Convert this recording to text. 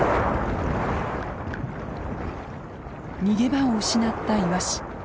逃げ場を失ったイワシ。